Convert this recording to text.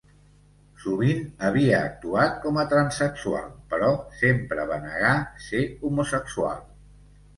Sovint havia actuat com a transsexual però sempre va negar ser homosexual.